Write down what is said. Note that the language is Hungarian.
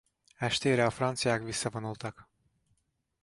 Estére a franciák visszavonultak.